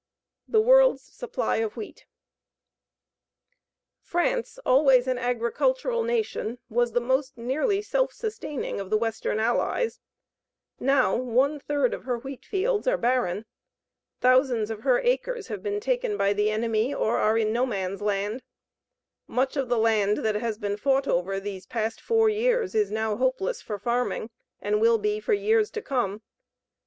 THE WORLD'S SUPPLY OF WHEAT France, always an agricultural nation, was the most nearly self sustaining of the western Allies. Now one third of her wheat fields are barren. Thousands of her acres have been taken by the enemy, or are in No Man's Land. Much of the land that has been fought over these past four years is now hopeless for farming, and will be for years to come.